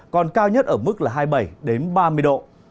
còn cao nhất ở mức là hai mươi bảy đến ba mươi độ